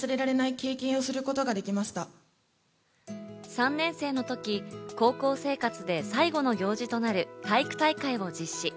３年生の時、高校生活で最後の行事となる体育大会を実施。